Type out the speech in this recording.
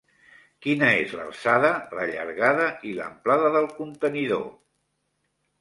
Quina és l'alçada, la llargada i l'amplada del contenidor?